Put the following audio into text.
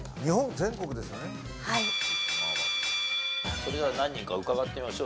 それでは何人か伺ってみましょう。